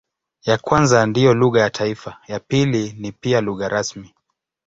Ya kwanza ndiyo lugha ya taifa, ya pili ni pia lugha rasmi.